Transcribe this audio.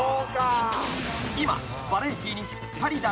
［今］